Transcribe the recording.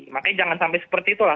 makanya jangan sampai seperti itulah